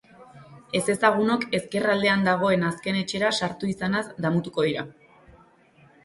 Ezezagunok ezker aldean dagoen azken etxera sartu izanaz damutuko dira.